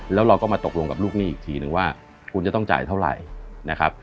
แล้วเราก็มาตกลงกับลูกหนี้อีกทีนึงว่าคุณจะต้องจ่ายเท่าไหร่นะครับ